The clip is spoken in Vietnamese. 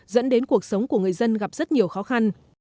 dẫn đến cuộc sống của người dân gặp rất nhiều khó khăn